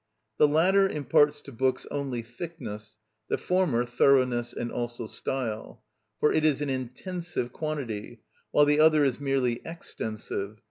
The latter imparts to books only thickness, the former thoroughness and also style; for it is an intensive quantity, while the other is merely extensive.